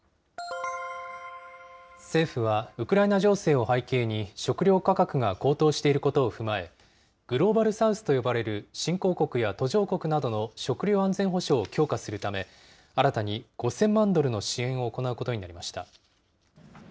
政府はウクライナ情勢を背景に、食料価格が高騰していることを踏まえ、グローバル・サウスと呼ばれる新興国や途上国などの食料安全保障を強化するため、新たに５０００万ドルの支援を行うことになりました。